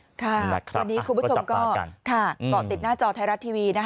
วันนี้คุณผู้ชมก็เกาะติดหน้าจอไทยรัฐทีวี